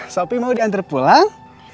sopi mau diantar pulang